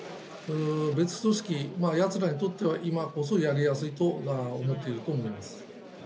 別組織、やつらにとっては今こそやりやすいと思っていると思います。